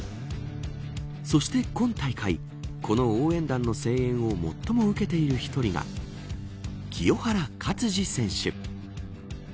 そして今大会この応援団の声援を最も受けている１人が清原勝児選手。